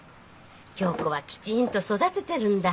響子はきちんと育ててるんだ。